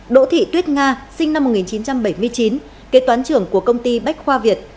đỗ thị tuyết nga sinh năm một nghìn chín trăm bảy mươi chín kế toán trưởng của công ty bách khoa việt